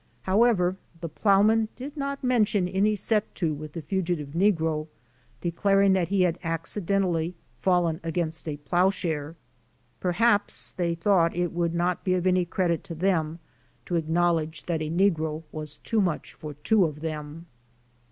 However, the ploughman did not mention any set to with the fugitive negro, declaring that he had accidentally fallen against a ploughshare. Per haps they thought it would not be of any credit to them to acknowledge that a negro was too much for two of them.